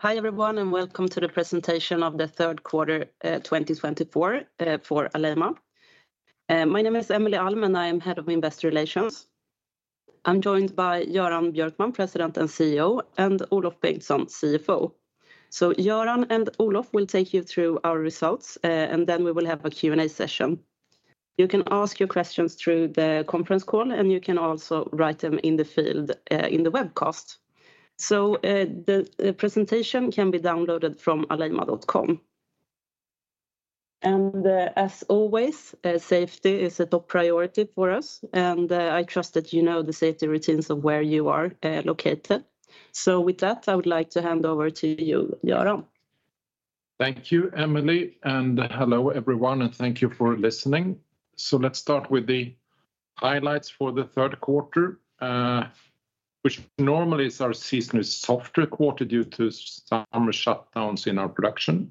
Hi, everyone, and welcome to the Presentation of the Third Quarter 2024 for Alleima. My name is Emelie Alm, and I am head of Investor Relations. I'm joined by Göran Björkman, President and CEO, and Olof Bengtsson, CFO. Göran and Olof will take you through our results, and then we will have a Q&A session. You can ask your questions through the conference call, and you can also write them in the field in the webcast. The presentation can be downloaded from alleima.com. As always, safety is a top priority for us, and I trust that you know the safety routines of where you are located. With that, I would like to hand over to you, Göran. Thank you, Emelie, and hello, everyone, and thank you for listening. So let's start with the highlights for the third quarter, which normally is our seasonally softer quarter due to summer shutdowns in our production.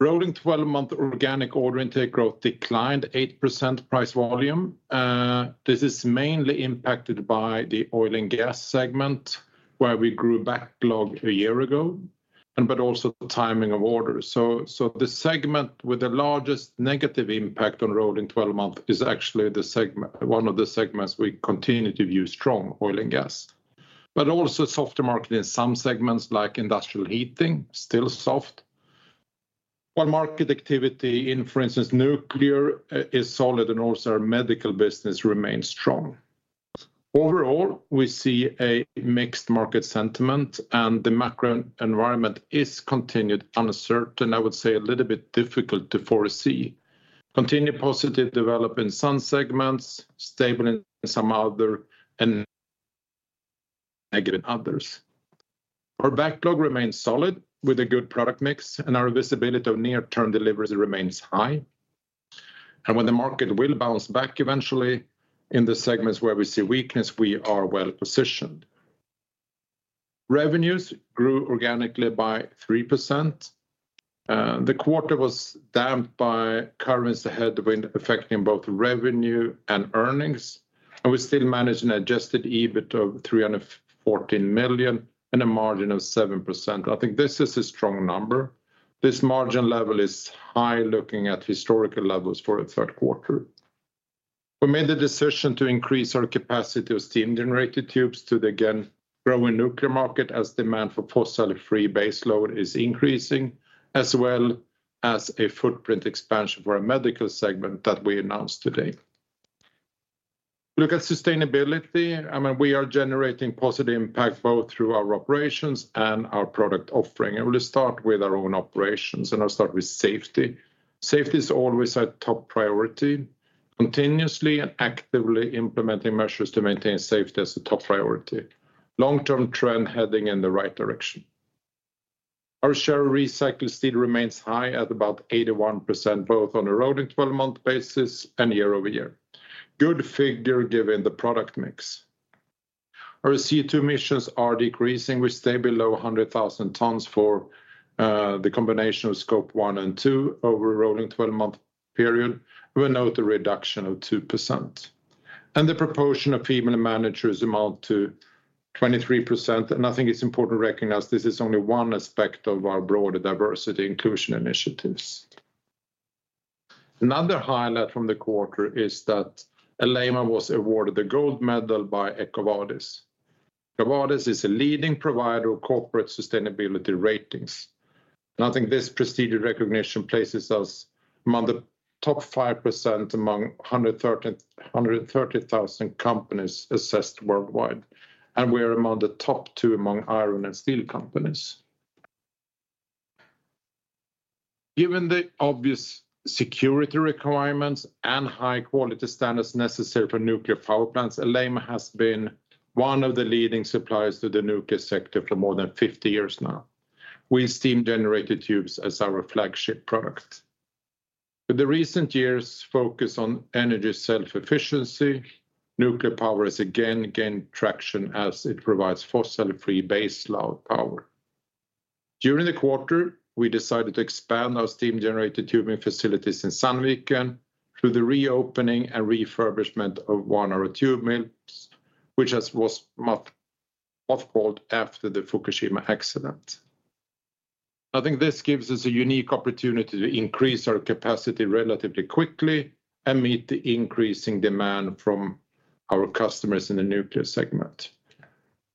Rolling twelve-month organic order intake growth declined 8% price volume. This is mainly impacted by the oil and gas segment, where we grew backlog a year ago, and but also the timing of orders. So the segment with the largest negative impact on rolling twelve-month is actually the segment, one of the segments we continue to view strong, oil and gas. But also softer market in some segments, like industrial heating, still soft. While market activity in, for instance, nuclear, is solid, and also our medical business remains strong. Overall, we see a mixed market sentiment, and the macro environment is continuing uncertain, I would say a little bit difficult to foresee. Continued positive development in some segments, stable in some other, and negative in others. Our backlog remains solid, with a good product mix, and our visibility of near-term deliveries remains high, and when the market will bounce back eventually, in the segments where we see weakness, we are well positioned. Revenues grew organically by 3%. The quarter was dampened by currencies, the headwind affecting both revenue and earnings, and we still managed an Adjusted EBIT of 314 million, and a margin of 7%. I think this is a strong number. This margin level is high, looking at historical levels for the third quarter. We made the decision to increase our capacity of steam generator tubes to, again, grow a nuclear market, as demand for fossil-free base load is increasing, as well as a footprint expansion for a medical segment that we announced today. Look at sustainability, I mean, we are generating positive impact both through our operations and our product offering, and we'll start with our own operations, and I'll start with safety. Safety is always our top priority, continuously and actively implementing measures to maintain safety as a top priority. Long-term trend heading in the right direction. Our share of recycled steel remains high at about 81%, both on a rolling 12-month basis and year over year. Good figure, given the product mix. Our CO2 emissions are decreasing. We stay below 100,000 tons for the combination of Scope 1 and 2 over a rolling 12-month period. We note a reduction of 2%, and the proportion of female managers amount to 23%, and I think it's important to recognize this is only one aspect of our broader diversity inclusion initiatives. Another highlight from the quarter is that Alleima was awarded the Gold Medal by EcoVadis. EcoVadis is a leading provider of corporate sustainability ratings, and I think this prestigious recognition places us among the top 5%, among 130,000 companies assessed worldwide, and we are among the top two among iron and steel companies. Given the obvious security requirements and high-quality standards necessary for nuclear power plants, Alleima has been one of the leading suppliers to the nuclear sector for more than 50-years now, with steam generator tubes as our flagship product. With the recent years' focus on energy self-sufficiency, nuclear power has again gained traction as it provides fossil-free base load power. During the quarter, we decided to expand our steam generator tubing facilities in Sandviken through the reopening and refurbishment of one of our tube mills, which was mothballed after the Fukushima accident. I think this gives us a unique opportunity to increase our capacity relatively quickly and meet the increasing demand from our customers in the nuclear segment.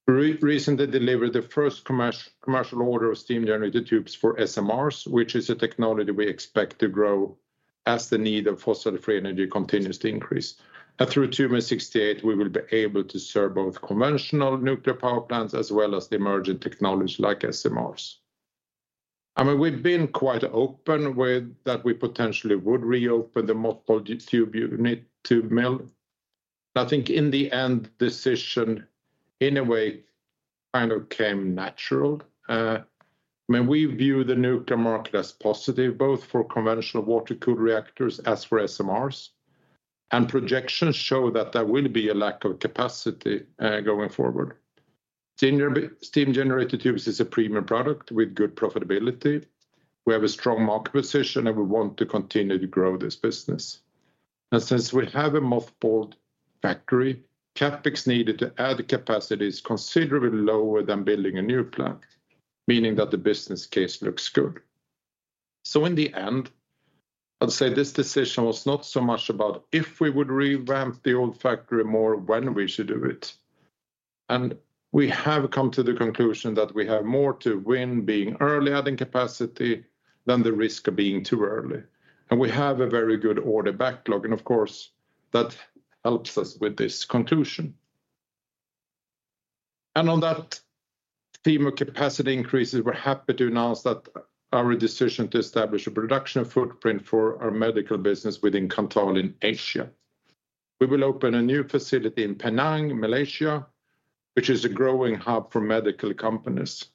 We recently delivered the first commercial order of steam generator tubes for SMRs, which is a technology we expect to grow as the need of fossil-free energy continues to increase. And through Tube 68, we will be able to serve both conventional nuclear power plants, as well as the emerging technologies like SMRs. I mean, we've been quite open with that we potentially would reopen the mothballed tube unit, tube mill. I think in the end, decision, in a way, kind of came natural. I mean, we view the nuclear market as positive, both for conventional water-cooled reactors as for SMRs, and projections show that there will be a lack of capacity, going forward. Steam Generator Tubes is a premium product with good profitability. We have a strong market position, and we want to continue to grow this business. And since we have a mothballed factory, CapEx needed to add capacities considerably lower than building a new plant, meaning that the business case looks good. So in the end, I'd say this decision was not so much about if we would revamp the old factory more, when we should do it. And we have come to the conclusion that we have more to win being early adding capacity, than the risk of being too early. We have a very good order backlog, and of course, that helps us with this conclusion. On that theme of capacity increases, we're happy to announce that our decision to establish a production footprint for our medical business within Kanthal in Asia. We will open a new facility in Penang, Malaysia, which is a growing hub for medical companies.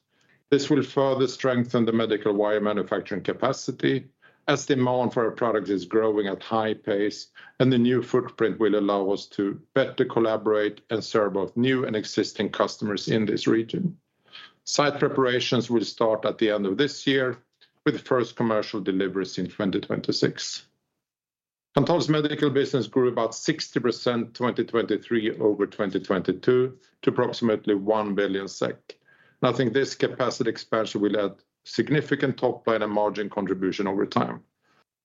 This will further strengthen the medical wire manufacturing capacity, as demand for our product is growing at high pace, and the new footprint will allow us to better collaborate and serve both new and existing customers in this region. Site preparations will start at the end of this year, with the first commercial deliveries in 2026. Kanthal's medical business grew about 60% 2023 over 2022, to approximately 1 billion SEK. I think this capacity expansion will add significant top line and margin contribution over time.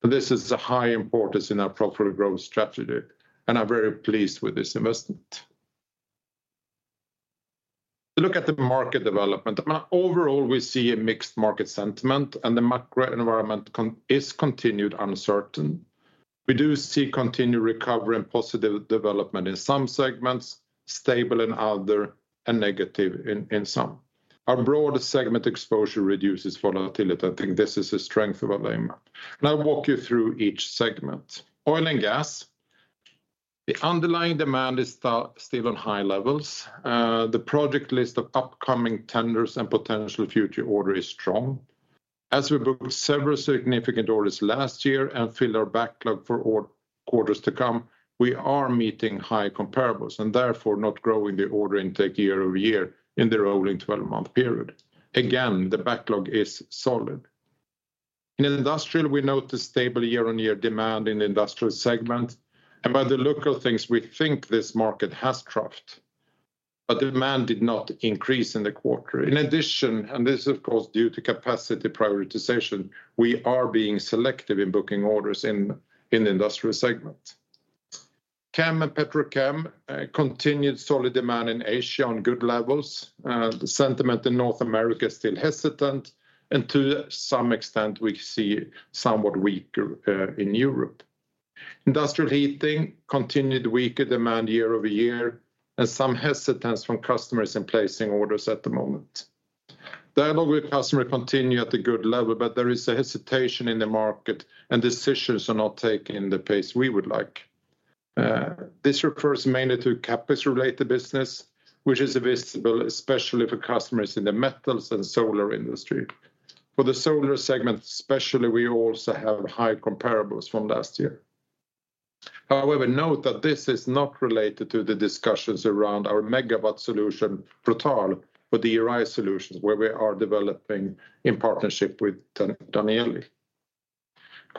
This is a high importance in our profitable growth strategy, and I'm very pleased with this investment. Look at the market development. Overall, we see a mixed market sentiment, and the macro environment is continued uncertain. We do see continued recovery and positive development in some segments, stable in other, and negative in some. Our broad segment exposure reduces volatility. I think this is a strength of our model. Now, I'll walk you through each segment. Oil and gas. The underlying demand is still on high levels. The project list of upcoming tenders and potential future order is strong. As we booked several significant orders last year and filled our backlog for four quarters to come, we are meeting high comparables and therefore not growing the order intake year over year in the rolling 12-month period. Again, the backlog is solid. In industrial, we note the stable year-on-year demand in industrial segment, and by the look of things, we think this market has troughed, but the demand did not increase in the quarter. In addition, and this is, of course, due to capacity prioritization, we are being selective in booking orders in the industrial segment. Chem and Petrochem continued solid demand in Asia on good levels. The sentiment in North America is still hesitant, and to some extent, we see somewhat weaker in Europe. Industrial Heating continued weaker demand year over year, and some hesitance from customers in placing orders at the moment. Dialogue with customers continues at a good level, but there is a hesitation in the market, and decisions are not taken in the pace we would like. This refers mainly to CapEx-related business, which is visible, especially for customers in the metals and solar industry. For the solar segment, especially, we also have high comparables from last year. However, note that this is not related to the discussions around our megawatt solution, Prothal, but the DRI solutions, where we are developing in partnership with Danieli.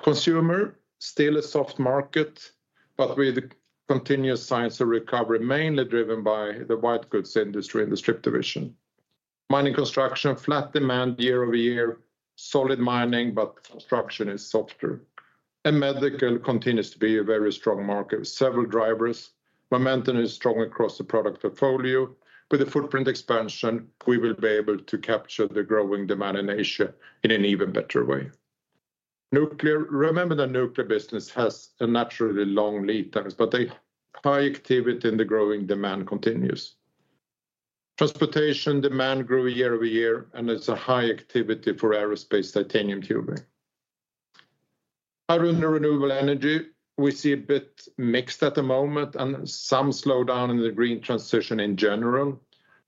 Consumer, still a soft market, but with the continuous signs of recovery, mainly driven by the white goods industry and the Strip division. Mining Construction, flat demand year over year, solid mining, but construction is softer. Medical continues to be a very strong market, with several drivers. Momentum is strong across the product portfolio. With the footprint expansion, we will be able to capture the growing demand in Asia in an even better way. Nuclear, remember, the nuclear business has a naturally long lead times, but the high activity and the growing demand continues. Transportation demand grew year-over-year, and there's a high activity for aerospace titanium tubing. Hydrogen and Renewable Energy, we see a bit mixed at the moment and some slowdown in the green transition in general.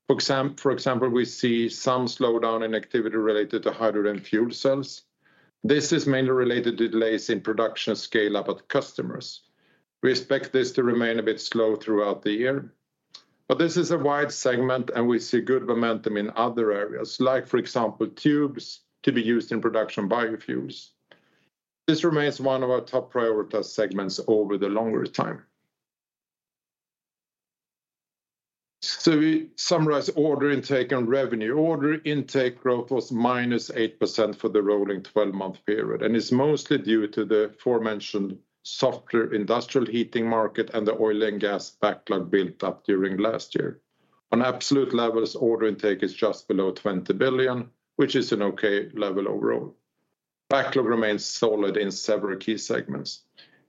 For example, we see some slowdown in activity related to hydrogen fuel cells. This is mainly related to delays in production scale up at customers. We expect this to remain a bit slow throughout the year, but this is a wide segment, and we see good momentum in other areas, like, for example, tubes to be used in production biofuels. This remains one of our top priority segments over the longer time. So we summarize order intake and revenue. Order intake growth was -8% for the rolling twelve-month period, and it's mostly due to the aforementioned softer industrial heating market and the oil and gas backlog built up during last year. On absolute levels, order intake is just below 20 billion, which is an okay level overall. Backlog remains solid in several key segments.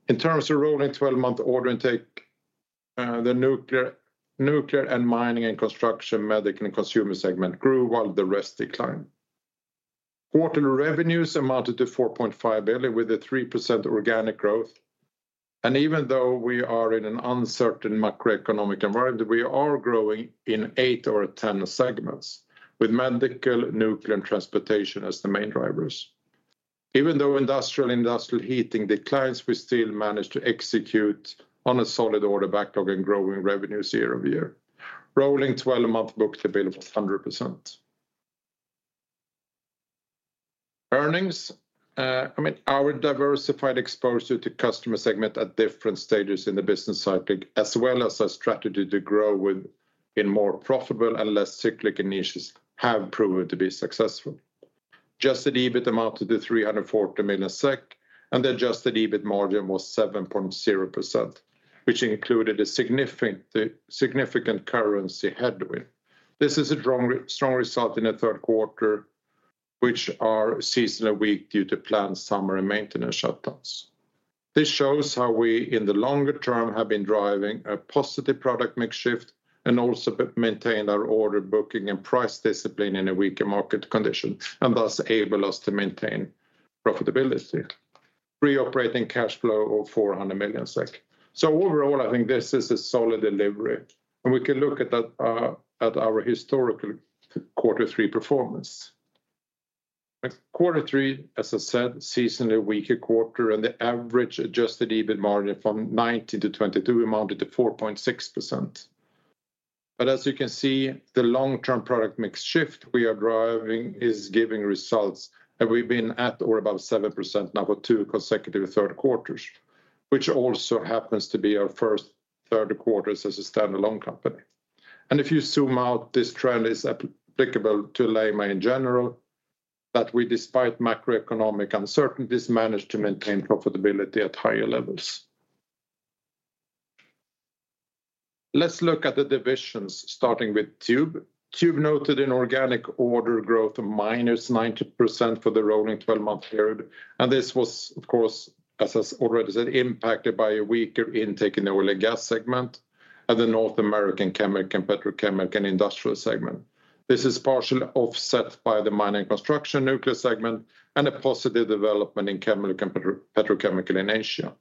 In terms of rolling 12-month order intake, the nuclear and mining and construction, medical, and consumer segment grew while the rest declined. Quarterly revenues amounted to 4.5 billion, with a 3% organic growth. And even though we are in an uncertain macroeconomic environment, we are growing in 8 or 10 segments, with medical, nuclear, and transportation as the main drivers. Even though industrial heating declines, we still manage to execute on a solid order backlog and growing revenues year-over-year. Rolling 12-month book-to-bill was 100%. Earnings, I mean, our diversified exposure to customer segment at different stages in the business cycle, as well as a strategy to grow with, in more profitable and less cyclic initiatives, have proven to be successful. Adjusted EBIT amounted to 340 million SEK, and the adjusted EBIT margin was 7.0%, which included a significant currency headwind. This is a strong result in the third quarter, which are seasonally weak due to planned summer and maintenance shutdowns. This shows how we, in the longer term, have been driving a positive product mix shift and also maintained our order, booking, and price discipline in a weaker market condition, and thus enable us to maintain profitability. Free operating cash flow of 400 million SEK. So overall, I think this is a solid delivery, and we can look at that, at our historical quarter three performance. At quarter three, as I said, seasonally weaker quarter, and the average adjusted EBIT margin from 2019 to 2022 amounted to 4.6%. But as you can see, the long-term product mix shift we are driving is giving results, and we've been at or above 7% now for two consecutive third quarters, which also happens to be our first third quarters as a standalone company. If you zoom out, this trend is applicable to Alleima in general, that we, despite macroeconomic uncertainties, managed to maintain profitability at higher levels. Let's look at the divisions, starting with Tube. Tube noted an organic order growth of -90% for the rolling 12-month period, and this was, of course, as is already said, impacted by a weaker intake in the oil and gas segment, and the North American chemical and petrochemical and industrial segment. This is partially offset by the mining, construction, nuclear segment, and a positive development in chemical and petrochemical in Asia.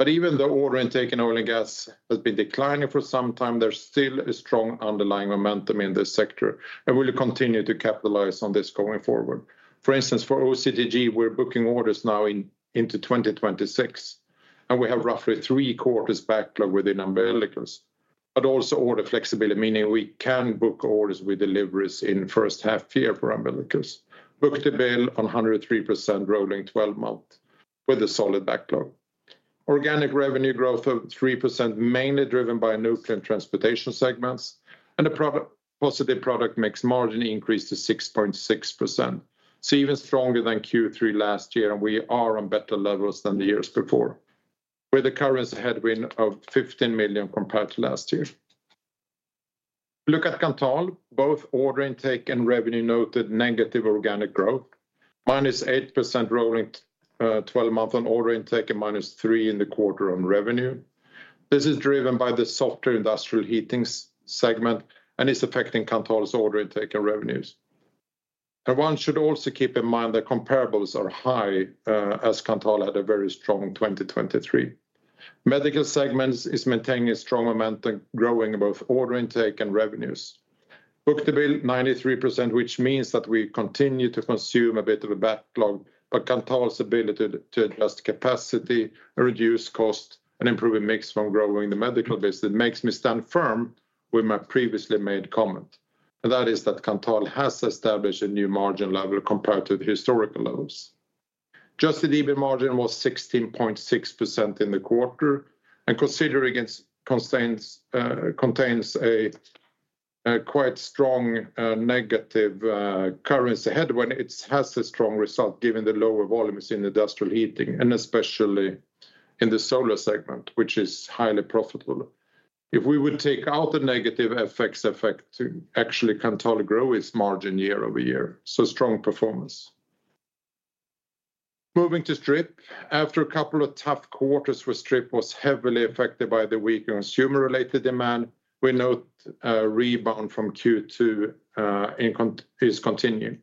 But even though order intake in oil and gas has been declining for some time, there's still a strong underlying momentum in this sector, and we'll continue to capitalize on this going forward. For instance, for OCTG, we're booking orders now into 2026, and we have roughly three quarters backlog within umbilicals, but also order flexibility, meaning we can book orders with deliveries in first half year for umbilicals. Book-to-Bill on 103% rolling 12-month with a solid backlog. Organic revenue growth of 3%, mainly driven by nuclear and transportation segments, and a positive product mix margin increase to 6.6%. So even stronger than Q3 last year, and we are on better levels than the years before, with a currency headwind of 15 million compared to last year. Look at Kanthal. Both order intake and revenue noted negative organic growth, -8% rolling 12-month on order intake, and -3% in the quarter on revenue. This is driven by the softer industrial heating segment, and it's affecting Kanthal's order intake and revenues. One should also keep in mind that comparables are high, as Kanthal had a very strong 2023. The medical segment is maintaining a strong momentum, growing both order intake and revenues. Book-to-bill, 93%, which means that we continue to consume a bit of a backlog, but Kanthal's ability to adjust capacity, reduce cost, and improve the mix from growing the medical business, makes me stand firm with my previously made comment. That is that Kanthal has established a new margin level compared to the historical levels. Adjusted EBIT margin was 16.6% in the quarter, and considering its constraints, contains a quite strong negative currency headwind, it has a strong result, given the lower volumes in industrial heating, and especially in the solar segment, which is highly profitable. If we would take out the negative effects affecting, actually, Kanthal grow its margin year over year, so strong performance. Moving to Strip, after a couple of tough quarters where Strip was heavily affected by the weaker consumer-related demand, we note a rebound from Q2 is continuing.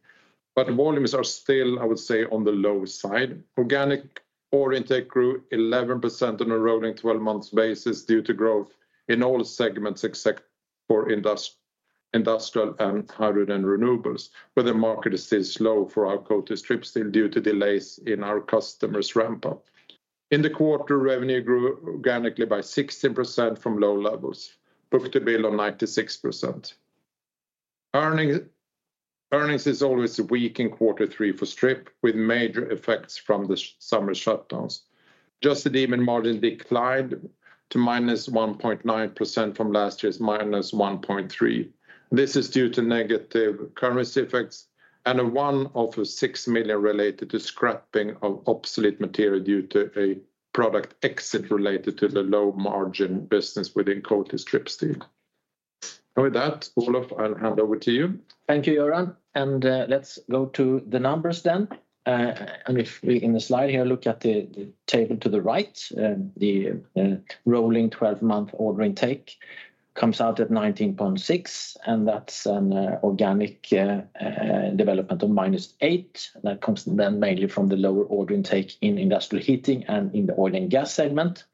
But volumes are still, I would say, on the low side. Organic order intake grew 11% on a rolling 12-month basis due to growth in all segments, except for industrial and hydrogen renewables, where the market is still slow for our coated strip steel due to delays in our customers' ramp-up. In the quarter, revenue grew organically by 16% from low levels. Book-to-bill on 96%. Earnings is always weak in quarter three for Strip, with major effects from the summer shutdowns. Adjusted EBIT margin declined to -1.9% from last year's -1.3%. This is due to negative currency effects and a one-off of 6 million related to scrapping of obsolete material due to a product exit related to the low margin business within coated strip steel. With that, Olof, I'll hand over to you. Thank you, Göran, and let's go to the numbers then. And if we, in the slide here, look at the table to the right, the rolling 12-month order intake comes out at 19.6, and that's an organic development of -8%. That comes then mainly from the lower order intake in industrial heating and in the oil and gas segment,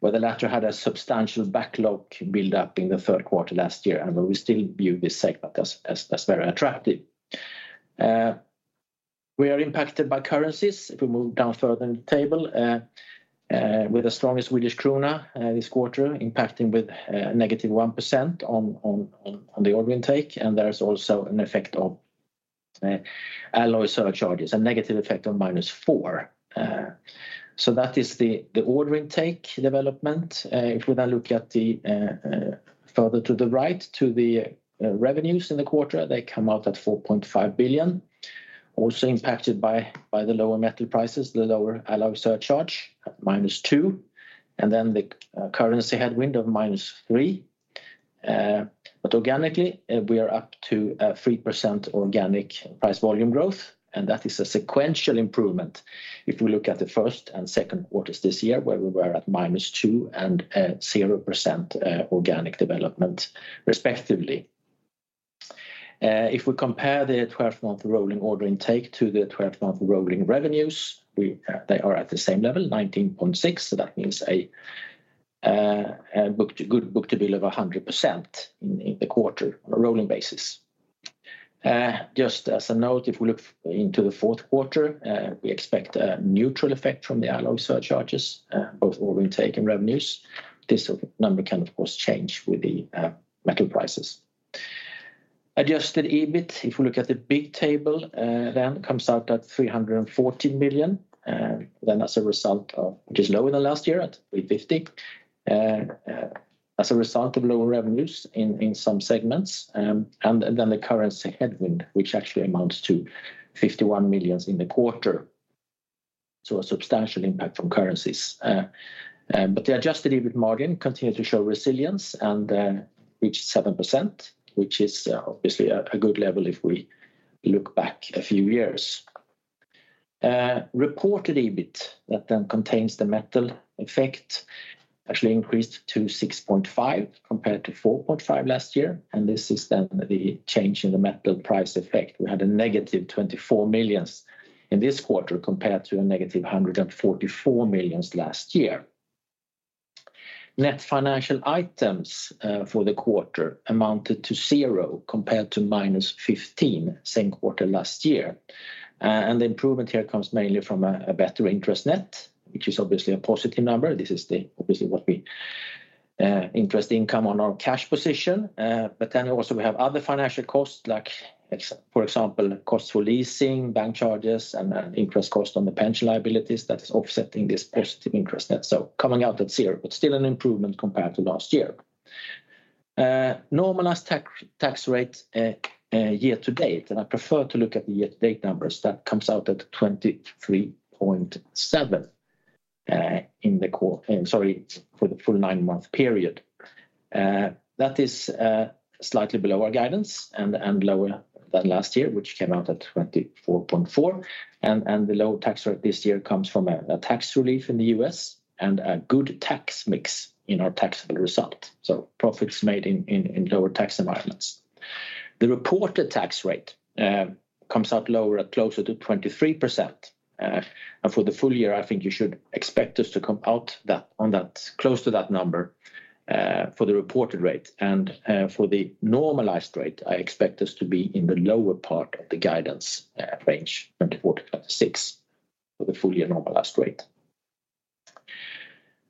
where the latter had a substantial backlog build-up in the third quarter last year, and we still view this segment as very attractive. We are impacted by currencies, if we move down further in the table, with the strongest Swedish krona this quarter, impacting with negative 1% on the order intake, and there is also an effect of alloy surcharges, a negative effect of -4%. So that is the order intake development. If we now look at the further to the right, to the revenues in the quarter, they come out at 4.5 billion. Also impacted by the lower metal prices, the lower alloy surcharge, -2%, and then the currency headwind of -3%. But organically, we are up to 3% organic price volume growth, and that is a sequential improvement. If we look at the first and second quarters this year, where we were at -2% and 0% organic development, respectively. If we compare the 12-month rolling order intake to the 12-month rolling revenues, they are at the same level, 19.6, so that means a good book-to-bill of 100% in the quarter on a rolling basis. Just as a note, if we look into the fourth quarter, we expect a neutral effect from the alloy surcharges, both order intake and revenues. This number can, of course, change with the metal prices. Adjusted EBIT, if we look at the big table, then comes out at 340 million, then as a result of... which is lower than last year at 350. As a result of lower revenues in some segments, and then the currency headwind, which actually amounts to 51 million in the quarter, so a substantial impact from currencies. But the adjusted EBIT margin continued to show resilience and reached 7%, which is obviously a good level if we look back a few years. Reported EBIT, that then contains the metal effect, actually increased to 6.5 compared to 4.5 last year, and this is then the change in the metal price effect. We had a negative 24 million in this quarter, compared to a negative 144 million last year. Net financial items for the quarter amounted to zero, compared to -15 million, same quarter last year. And the improvement here comes mainly from a better net interest, which is obviously a positive number. This is obviously what we interest income on our cash position. But then also we have other financial costs, like, for example, costs for leasing, bank charges, and interest cost on the pension liabilities that is offsetting this positive interest net. So coming out at zero, but still an improvement compared to last year. Normalized tax rate year-to-date, and I prefer to look at the year-to-date numbers; that comes out at 23.7% for the full 9-month period. That is slightly below our guidance and lower than last year, which came out at 24.4%. The lower tax rate this year comes from a tax relief in the U.S. and a good tax mix in our taxable result. Profits made in lower tax environments. The reported tax rate comes out lower at closer to 23%. For the full year, I think you should expect us to come out close to that number for the reported rate. For the normalized rate, I expect us to be in the lower part of the guidance range, 24-26, for the full year normalized rate.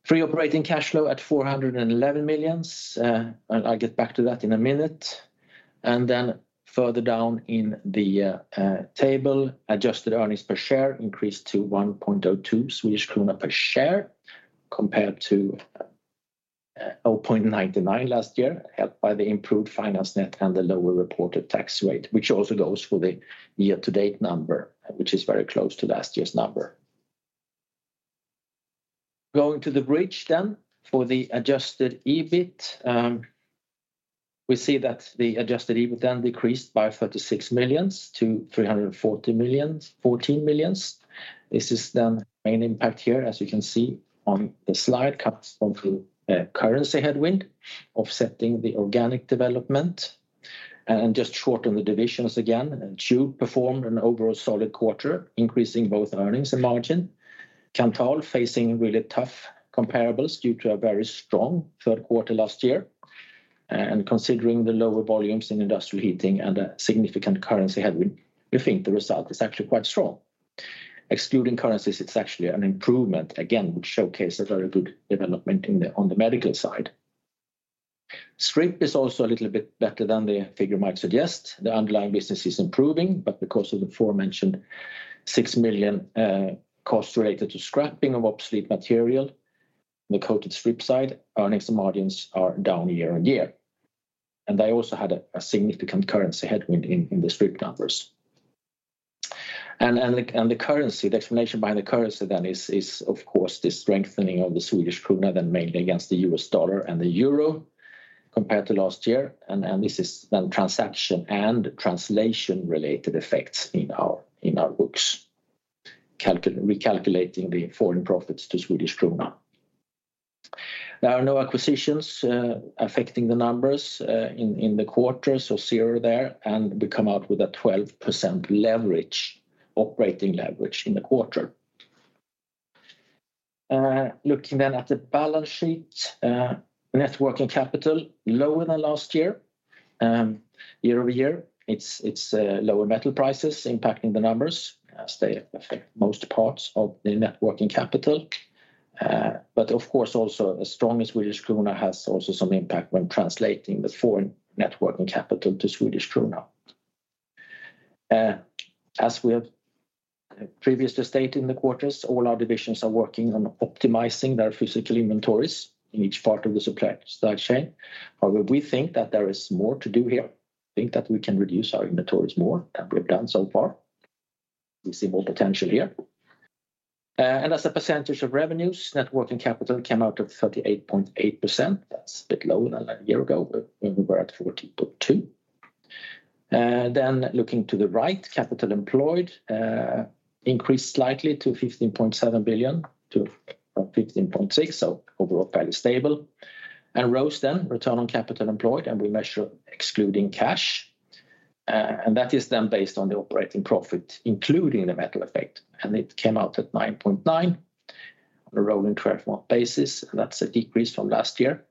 Free operating cash flow at 411 million, and I'll get back to that in a minute. Then further down in the table, adjusted earnings per share increased to 1.2 Swedish krona per share, compared to 0.99 last year, helped by the improved finance net and the lower reported tax rate, which also goes for the year-to-date number, which is very close to last year's number. Going to the bridge then, for the adjusted EBIT, we see that the adjusted EBIT then decreased by 36 million - 340 million, SEK 14 million. This is then main impact here, as you can see on the slide, comes from the currency headwind, offsetting the organic development. Just short on the divisions again, Tube performed an overall solid quarter, increasing both earnings and margin. Kanthal facing really tough comparables due to a very strong third quarter last year. Considering the lower volumes in industrial heating and a significant currency headwind, we think the result is actually quite strong. Excluding currencies, it's actually an improvement, again, which showcase a very good development in the- on the medical side. Strip is also a little bit better than the figure might suggest. The underlying business is improving, but because of the aforementioned 6 million costs related to scrapping of obsolete material, the coated strip side, earnings and margins are down year on year. And they also had a significant currency headwind in the strip numbers. And the currency explanation behind the currency then is, of course, the strengthening of the Swedish krona, then mainly against the U.S. dollar and the euro, compared to last year. And this is then transaction and translation-related effects in our books. Recalculating the foreign profits to Swedish krona. There are no acquisitions affecting the numbers in the quarter, so zero there, and we come out with a 12% leverage, operating leverage in the quarter. Looking then at the balance sheet, net working capital, lower than last year. Year-over-year, it's lower metal prices impacting the numbers, as they affect most parts of the net working capital. But of course, also a strong Swedish krona has also some impact when translating the foreign net working capital to Swedish krona. As we have previously stated in the quarters, all our divisions are working on optimizing their physical inventories in each part of the supply chain. However, we think that there is more to do here. I think that we can reduce our inventories more than we've done so far. We see more potential here. And as a percentage of revenues, net working capital came out to 38.8%. That's a bit lower than a year ago, when we were at 40.2%. Then looking to the right, capital employed increased slightly to 15.7 billion from 15.6 billion, so overall, fairly stable. And return on capital employed, and we measure excluding cash, and that is then based on the operating profit, including the metal effect, and it came out at 9.9% on a rolling 12-month basis, and that's a decrease from last year.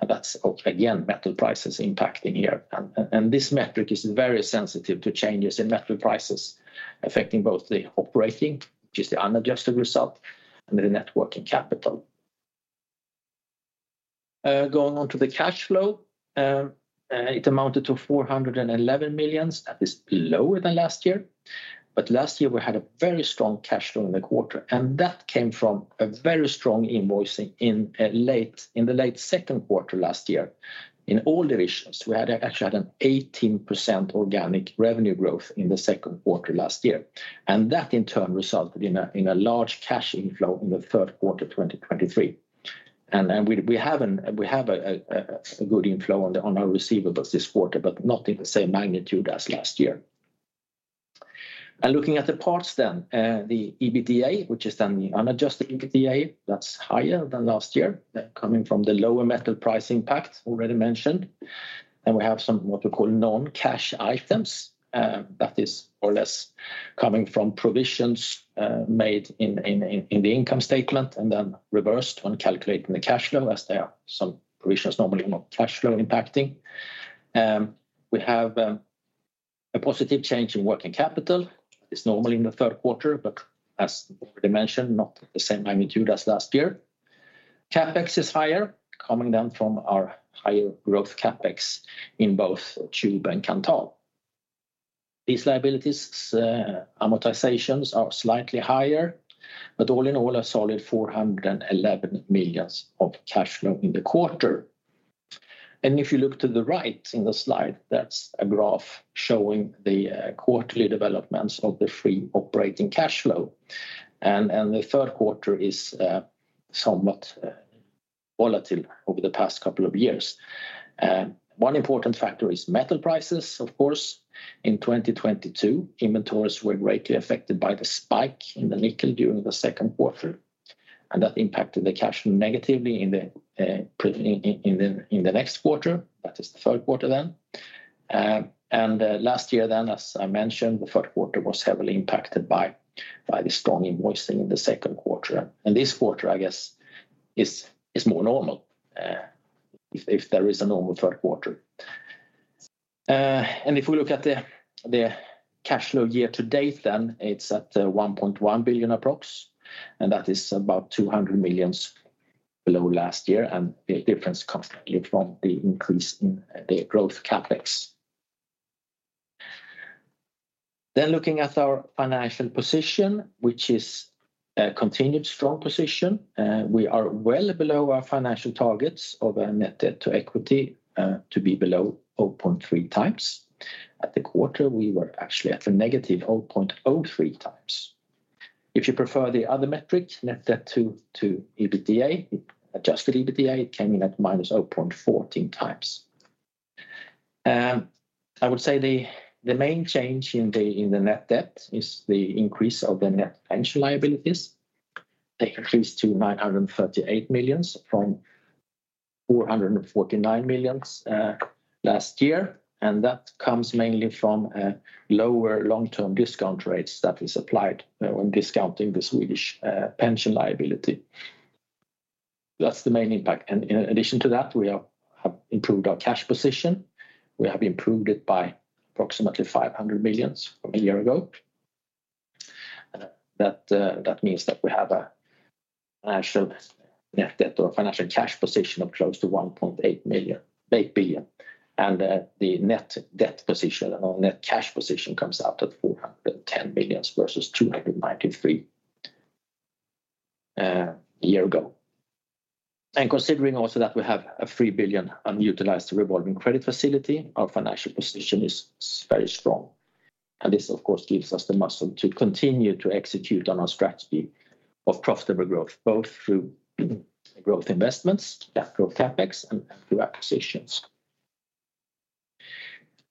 And that's, again, metal prices impacting here. And this metric is very sensitive to changes in metal prices, affecting both the operating, which is the unadjusted result, and the net working capital. Going on to the cash flow, it amounted to 411 million. That is lower than last year, but last year we had a very strong cash flow in the quarter, and that came from a very strong invoicing in the late second quarter last year. In all divisions, we actually had an 18% organic revenue growth in the second quarter last year, and that in turn resulted in a large cash inflow in the third quarter, 2023. And we have a good inflow on our receivables this quarter, but not in the same magnitude as last year. And looking at the parts then, the EBITDA, which is then the unadjusted EBITDA, that's higher than last year, coming from the lower metal price impact already mentioned. Then we have some what we call non-cash items that is more or less coming from provisions made in the income statement and then reversed when calculating the cash flow, as there are some provisions, normally not cash flow impacting. We have a positive change in working capital. It's normally in the third quarter, but as already mentioned, not the same magnitude as last year. CapEx is higher, coming down from our higher growth CapEx in both Tube and Kanthal. These liabilities amortizations are slightly higher, but all in all, a solid 411 million of cash flow in the quarter, and if you look to the right in the slide, that's a graph showing the quarterly developments of the free operating cash flow. The third quarter is somewhat volatile over the past couple of years. One important factor is metal prices, of course. In 2022, inventories were greatly affected by the spike in the nickel during the second quarter, and that impacted the cash negatively in the next quarter. That is the third quarter then. Last year then, as I mentioned, the third quarter was heavily impacted by the strong invoicing in the second quarter. This quarter, I guess, is more normal, if there is a normal third quarter. If we look at the cash flow year to date, then it's at 1.1 billion approx, and that is about 200 million below last year, and the difference comes from the increase in the growth CapEx. Looking at our financial position, which is a continued strong position, we are well below our financial targets of our net debt to equity to be below 0.3x. At the quarter, we were actually at a negative 0.03x. If you prefer the other metric, net debt to EBITDA, adjusted EBITDA, it came in at minus 0.14x. I would say the main change in the net debt is the increase of the net pension liabilities. They increased to 938 million from 449 million last year, and that comes mainly from lower long-term discount rates that is applied when discounting the Swedish pension liability. That's the main impact, and in addition to that, we have improved our cash position. We have improved it by approximately 500 million from a year ago. That means that we have a financial net debt or financial cash position of close to 1.8 billion, and the net debt position or net cash position comes out at 410 million versus 293 million a year ago. And considering also that we have a 3 billion unutilized revolving credit facility, our financial position is very strong. And this, of course, gives us the muscle to continue to execute on our strategy of profitable growth, both through growth investments, growth CapEx, and through acquisitions.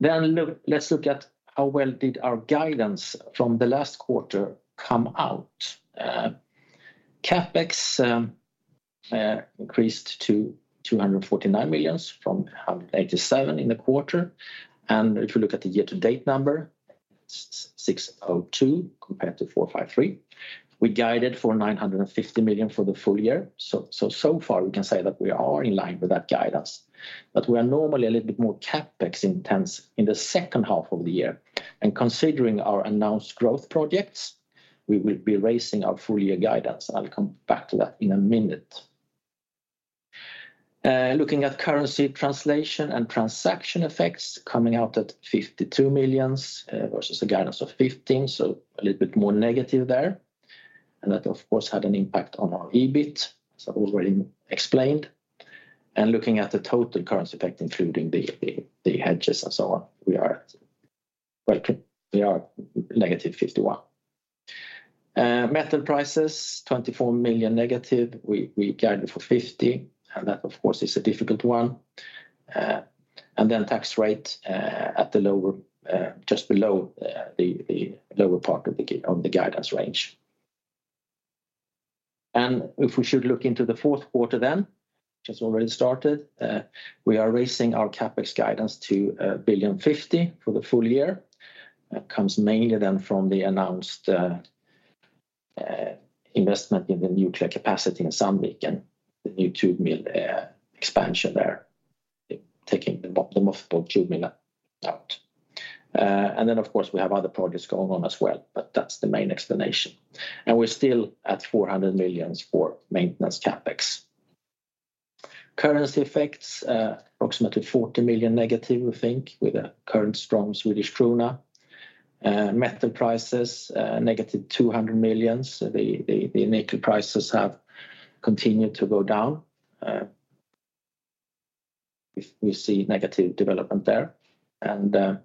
Then let's look at how well did our guidance from the last quarter come out. CapEx increased to 249 million from 187 million in the quarter. And if you look at the year-to-date number, 602 million compared to 453 million, we guided for 950 million for the full year. So far, we can say that we are in line with that guidance, but we are normally a little bit more CapEx intense in the second half of the year. And considering our announced growth projects, we will be raising our full year guidance. I'll come back to that in a minute... Looking at currency translation and transaction effects coming out at 52 million versus a guidance of 15 million, so a little bit more negative there. And that, of course, had an impact on our EBIT, as I've already explained. And looking at the total currency effect, including the hedges and so on, we are at, well, we are negative 51 million. Metal prices, 24 million negative. We guided for 50, and that, of course, is a difficult one. And then tax rate at the lower, just below the lower part of the guidance range. If we should look into the fourth quarter then, which has already started, we are raising our CapEx guidance to 1.05 billion for the full year. That comes mainly then from the announced investment in the nuclear capacity in Sandviken and the new tube mill expansion there, taking the tube mill out of mothball. And then, of course, we have other projects going on as well, but that's the main explanation. And we're still at 400 million for maintenance CapEx. Currency effects, approximately 40 million negative, we think, with a current strong Swedish krona. Metal prices, negative 200 million. The nickel prices have continued to go down. We see negative development there. And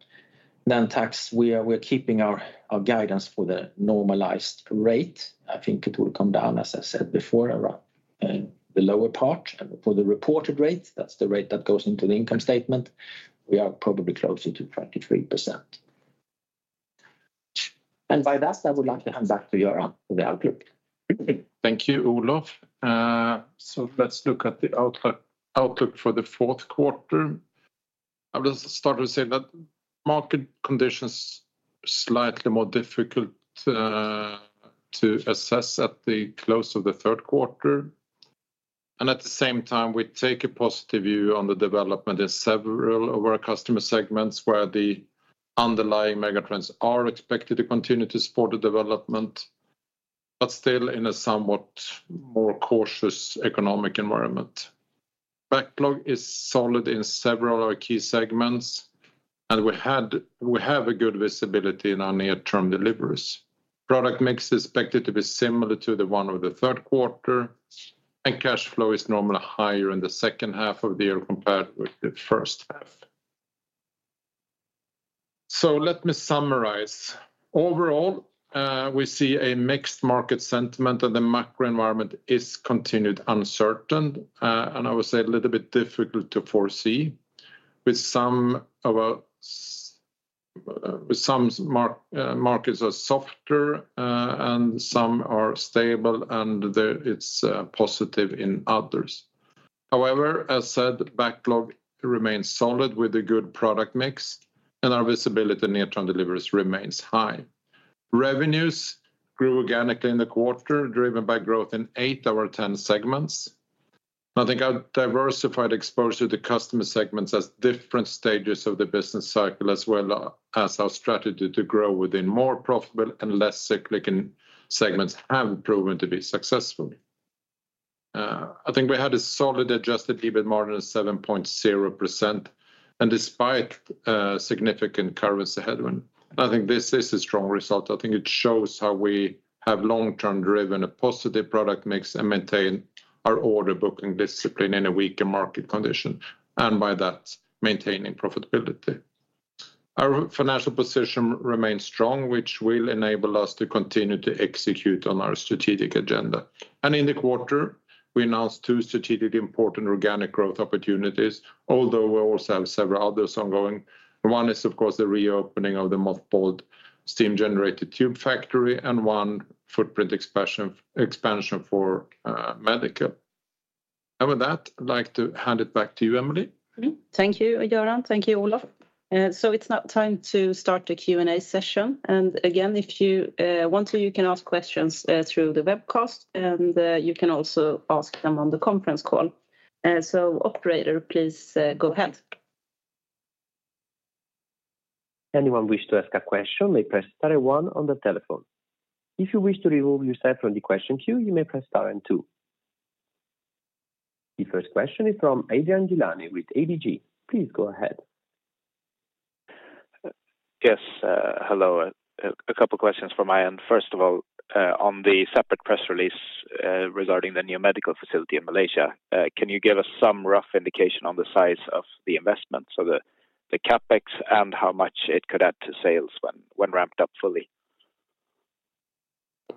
then tax, we are keeping our guidance for the normalized rate. I think it will come down, as I said before, around the lower part. And for the reported rate, that's the rate that goes into the income statement, we are probably closer to 23%. And by that, I would like to hand back to Göran for the outlook. Thank you, Olof. So let's look at the outlook for the fourth quarter. I'll just start with saying that market conditions slightly more difficult to assess at the close of the third quarter. And at the same time, we take a positive view on the development in several of our customer segments, where the underlying megatrends are expected to continue to support the development, but still in a somewhat more cautious economic environment. Backlog is solid in several of our key segments, and we have a good visibility in our near-term deliveries. Product mix is expected to be similar to the one of the third quarter, and cash flow is normally higher in the second half of the year compared with the first half. So let me summarize. Overall, we see a mixed market sentiment, and the macro environment is continued uncertain, and I would say a little bit difficult to foresee, with some markets are softer, and some are stable, and there it's positive in others. However, as said, backlog remains solid with a good product mix, and our visibility in near-term deliveries remains high. Revenues grew organically in the quarter, driven by growth in eight out of ten segments. I think our diversified exposure to customer segments as different stages of the business cycle, as well as our strategy to grow within more profitable and less cyclical segments, have proven to be successful. I think we had a solid Adjusted EBIT margin of 7.0%, and despite significant currency headwind, I think this is a strong result. I think it shows how we have long-term driven a positive product mix and maintained our order booking discipline in a weaker market condition, and by that, maintaining profitability. Our financial position remains strong, which will enable us to continue to execute on our strategic agenda. And in the quarter, we announced two strategically important organic growth opportunities, although we also have several others ongoing. One is, of course, the reopening of the mothballed steam generator tube factory, and one footprint expansion, expansion for medical. And with that, I'd like to hand it back to you, Emelie. Mm-hmm. Thank you, Göran. Thank you, Olof. So it's now time to start the Q&A session. And again, if you want to, you can ask questions through the webcast, and you can also ask them on the conference call. So operator, please, go ahead. Anyone wish to ask a question may press star one on the telephone. If you wish to remove yourself from the question queue, you may press star and two. The first question is from Adrian Gilani with ABG. Please go ahead. Yes, hello. A couple questions from my end. First of all, on the separate press release, regarding the new medical facility in Malaysia, can you give us some rough indication on the size of the investment, so the CapEx and how much it could add to sales when ramped up fully?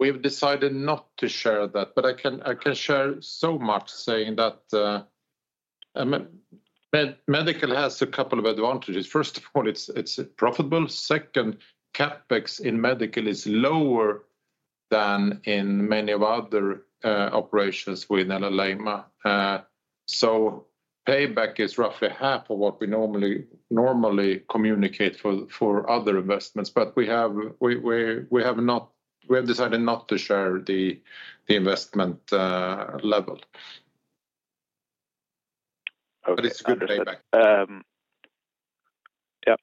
We've decided not to share that, but I can share so much, saying that medical has a couple of advantages. First of all, it's profitable. Second, CapEx in medical is lower than in many of our other operations within Alleima. So payback is roughly half of what we normally communicate for other investments, but we have not. We have decided not to share the investment level. Okay. But it's a good payback.... Yep.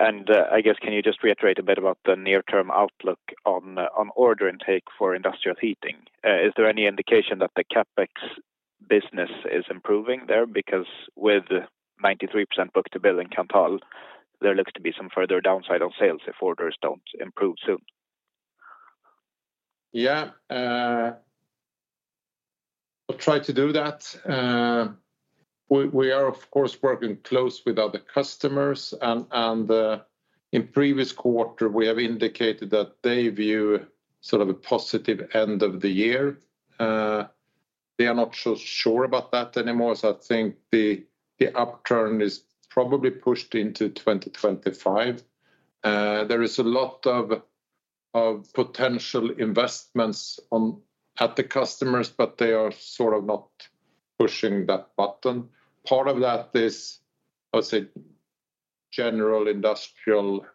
And, I guess can you just reiterate a bit about the near-term outlook on order intake for industrial heating? Is there any indication that the CapEx business is improving there? Because with 93% book-to-bill in Kanthal, there looks to be some further downside on sales if orders don't improve soon. Yeah, I'll try to do that. We are, of course, working close with other customers, and in previous quarter, we have indicated that they view sort of a positive end of the year. They are not so sure about that anymore, so I think the upturn is probably pushed into 2025. There is a lot of potential investments at the customers, but they are sort of not pushing that button. Part of that is, I'd say, general industrial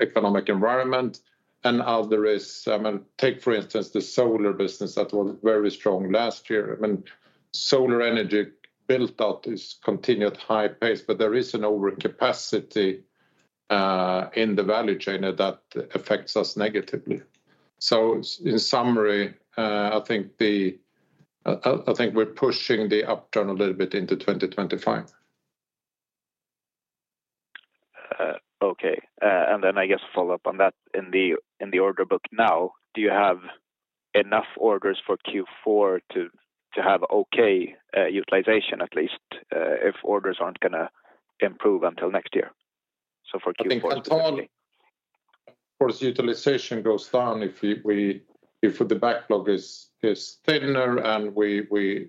economic environment, and other is. Take, for instance, the solar business that was very strong last year. I mean, solar energy build-out is continued high pace, but there is an overcapacity in the value chain, and that affects us negatively. So, in summary, I think we're pushing the upturn a little bit into 2025. Okay. And then I guess follow up on that, in the order book now, do you have enough orders for Q4 to have okay utilization at least, if orders aren't gonna improve until next year? So for Q4 particularly. I think Kanthal, of course, utilization goes down if the backlog is thinner and we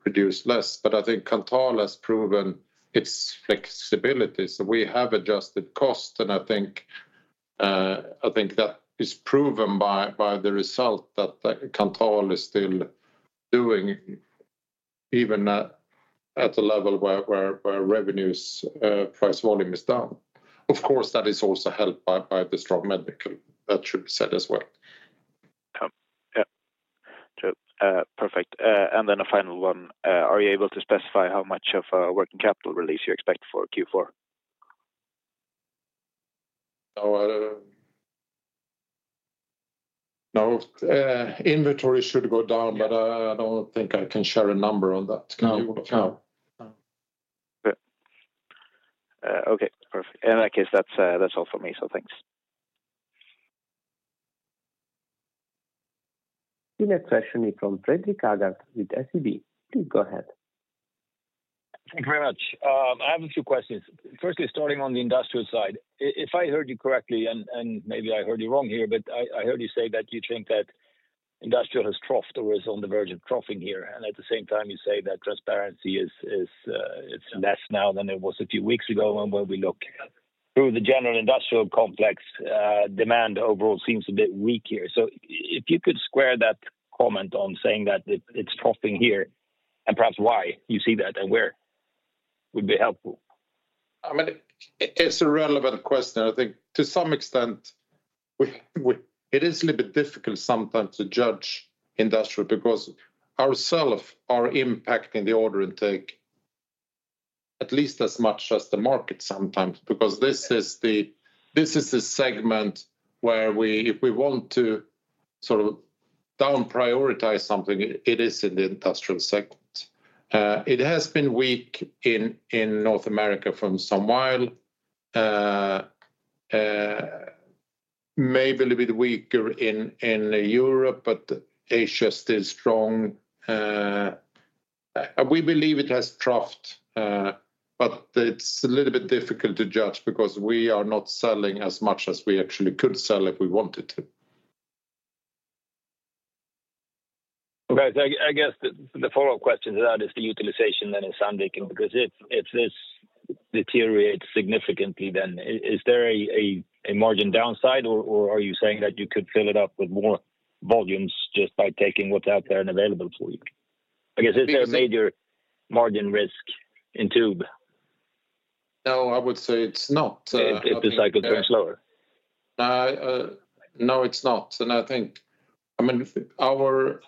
produce less. But I think Kanthal has proven its flexibility, so we have adjusted cost, and I think that is proven by the result that Kanthal is still doing even at a level where revenues price volume is down. Of course, that is also helped by the strong medical. That should be said as well. Yeah. True. Perfect. And then a final one: Are you able to specify how much of a working capital release you expect for Q4? No, I don't... No. Inventory should go down, but I don't think I can share a number on that. Can you? No. No. Okay, perfect. In that case, that's all for me, so thanks. The next question is from Fredrik Agardh with SEB. Please go ahead. Thank you very much. I have a few questions. Firstly, starting on the industrial side, if I heard you correctly, and maybe I heard you wrong here, but I heard you say that you think that industrial has troughed or is on the verge of troughing here, and at the same time, you say that transparency is, it's less now than it was a few weeks ago and when we look through the general industrial complex, demand overall seems a bit weaker. So if you could square that comment on saying that it's troughed here, and perhaps why you see that and where, would be helpful. I mean, it's a relevant question, and I think to some extent, we... It is a little bit difficult sometimes to judge industrial, because ourselves are impacting the order intake at least as much as the market sometimes, because this is the segment where we, if we want to sort of deprioritize something, it is in the industrial segment. It has been weak in North America for some while. Maybe a little bit weaker in Europe, but Asia is still strong. We believe it has troughed, but it's a little bit difficult to judge because we are not selling as much as we actually could sell if we wanted to. Okay, so I guess the follow-up question to that is the utilization then in Sandviken, because if this deteriorates significantly, then is there a margin downside, or are you saying that you could fill it up with more volumes just by taking what's out there and available for you? I guess, is there a major margin risk in tube? No, I would say it's not. If the cycle turns slower. No, it's not. And I think, I mean, our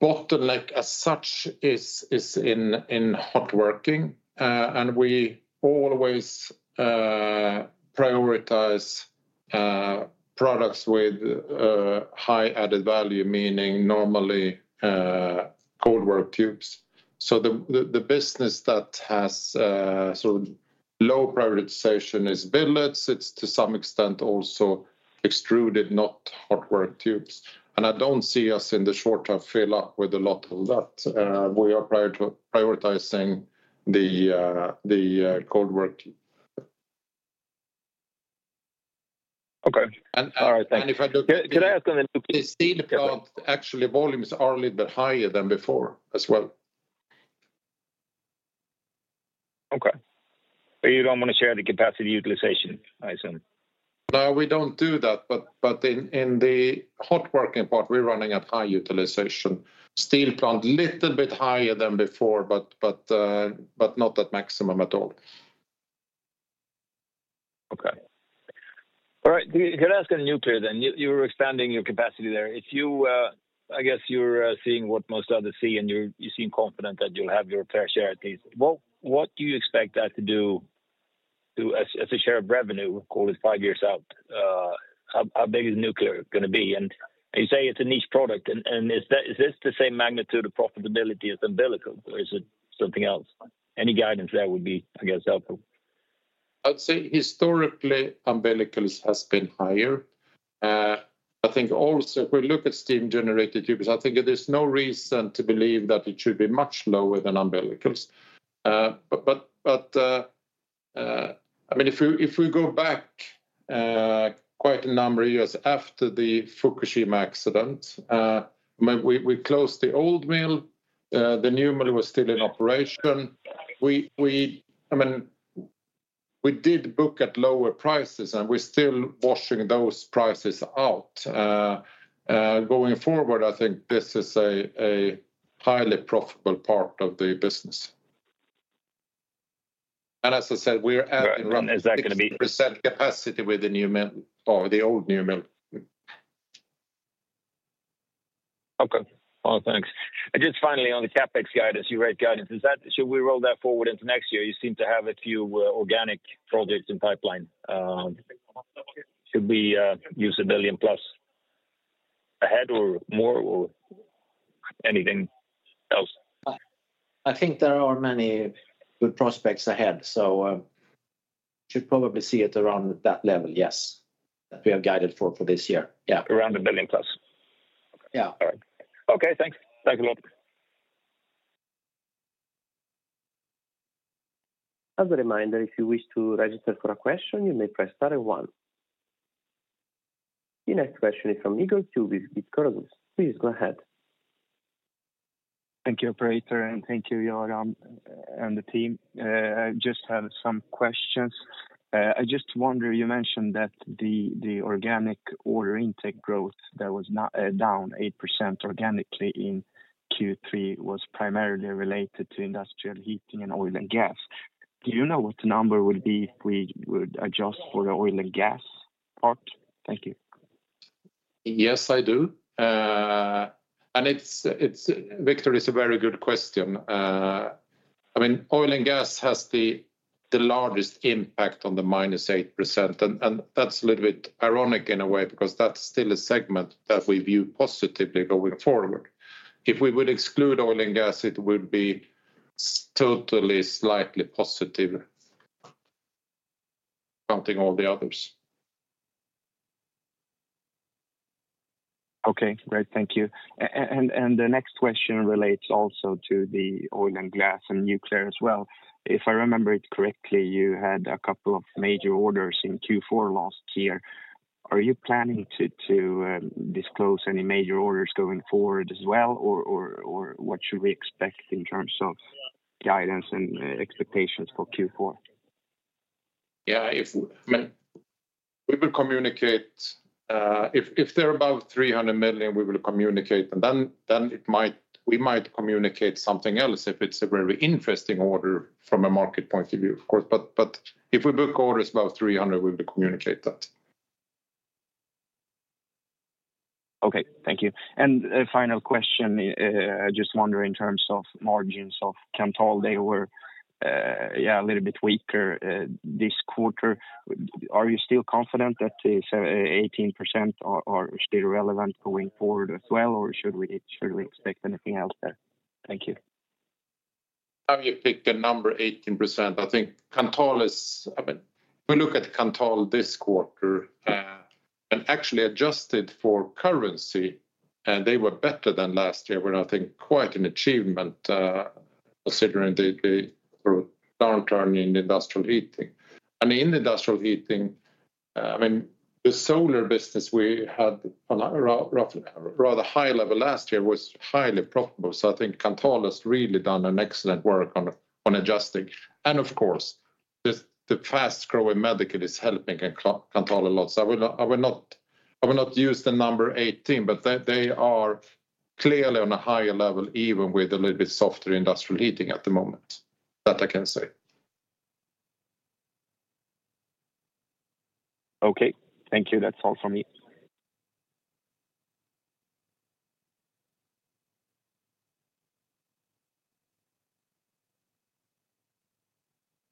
bottleneck as such is in hot working, and we always prioritize products with high added value, meaning normally cold work tubes. So the business that has sort of low prioritization is billets. It's to some extent also extruded, not hot work tubes. And I don't see us in the short term fill up with a lot of that. We are prioritizing the cold work. Okay. And, and- All right, thank you. If I look- Can I ask another quick? The steel plant, actually, volumes are a little bit higher than before as well. Okay. But you don't want to share the capacity utilization, I assume? No, we don't do that, but in the hot working part, we're running at high utilization. Steel plant, little bit higher than before, but not at maximum at all. Could I ask on nuclear then? You're expanding your capacity there. If I guess you're seeing what most others see, and you seem confident that you'll have your fair share at least. What do you expect that to do to, as a share of revenue, call it 5 years out, how big is nuclear gonna be? And you say it's a niche product, and is this the same magnitude of profitability as umbilicals, or is it something else? Any guidance there would be, I guess, helpful. I'd say historically, umbilicals has been higher. I think also if we look at steam generator tubes, I think there's no reason to believe that it should be much lower than umbilicals. But, I mean, if we go back quite a number of years after the Fukushima accident, I mean, we closed the old mill, the new mill was still in operation. We did book at lower prices, and we're still washing those prices out. Going forward, I think this is a highly profitable part of the business. And as I said, we are at- Right, and is that gonna be-... capacity with the new mill or the old new mill. Okay. Well, thanks. And just finally, on the CapEx guidance, you raised guidance, is that- should we roll that forward into next year? You seem to have a few organic projects in pipeline. Should we use a billion plus ahead or more or anything else? I think there are many good prospects ahead, so should probably see it around that level, yes, that we have guided for this year. Yeah. Around a billion plus? Yeah. All right. Okay, thanks. Thanks a lot. As a reminder, if you wish to register for a question, you may press star then one. The next question is from Victor Tubis with Carnegie. Please go ahead. Thank you, operator, and thank you, Göran, and the team. I just have some questions. I just wonder, you mentioned that the organic order intake growth that was down 8% organically in Q3 was primarily related to industrial heating and oil and gas. Do you know what the number would be if we would adjust for the oil and gas part? Thank you. Yes, I do. And it's a very good question, Victor. I mean, oil and gas has the largest impact on the - 8%, and that's a little bit ironic in a way, because that's still a segment that we view positively going forward. If we would exclude oil and gas, it would be totally slightly positive, counting all the others. Okay, great. Thank you. And the next question relates also to the oil and gas and nuclear as well. If I remember it correctly, you had a couple of major orders in Q4 last year. Are you planning to disclose any major orders going forward as well, or what should we expect in terms of guidance and expectations for Q4? Yeah, if I mean, we will communicate if they're above 300 million, we will communicate, and then we might communicate something else if it's a very interesting order from a market point of view, of course. But if we book orders above 300, we will communicate that. Okay, thank you. And a final question, just wondering in terms of margins of Kanthal, they were, yeah, a little bit weaker, this quarter. Are you still confident that the 18% are still relevant going forward as well, or should we expect anything else there? Thank you. How you picked the number 18%? I think Kanthal is. I mean, if we look at Kanthal this quarter, and actually adjusted for currency, and they were better than last year, were, I think, quite an achievement, considering the, the sort of downturn in industrial heating. I mean, in industrial heating, I mean, the solar business we had on a roughly rather high level last year was highly profitable. So I think Kanthal has really done an excellent work on, on adjusting. And of course, the, the fast-growing medical is helping Kanthal a lot. So I will not use the number eighteen, but they are clearly on a higher level, even with a little bit softer industrial heating at the moment. That I can say. Okay. Thank you. That's all from me.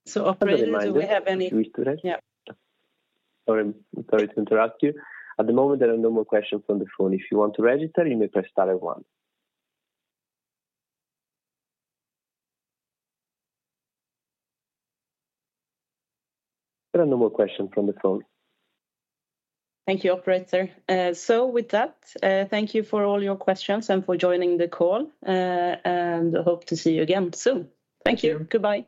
So, operator, do we have any- Sorry, I'm sorry to interrupt you. At the moment, there are no more questions on the phone. If you want to register, you may press star then one. There are no more questions from the phone. Thank you, operator. So with that, thank you for all your questions and for joining the call, and I hope to see you again soon. Thank you. Goodbye.